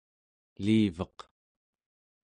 eliveq